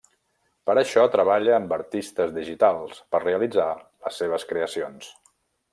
Per això treballa amb artistes digitals per realitzar les seves creacions.